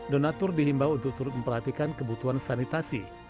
donatur dihimbau untuk turut memperhatikan kebutuhan sanitasi